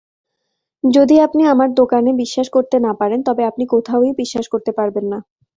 যদি আপনি আমার দোকানে বিশ্বাস করতে না পারেন তবে আপনি কোথাও ই বিশ্বাস করতে পারবেন না।!""